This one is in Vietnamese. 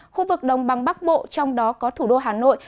khu vực đông băng bắc bộ trong đó có thủ đô hà nội